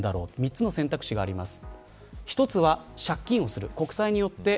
３つの選択肢があります。